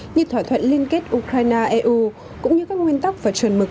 như thỏa thuận liên kết ukraine eu cũng như các nguyên tắc và chuẩn mực